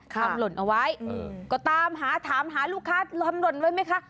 ทำล็อตเอาไว้ก็ตามหาถามหาลูกค้าทำล็อตไว้ไหมคะ